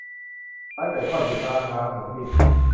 ร้านไก่ทอดอยู่ข้างร้านหมูปิ้ง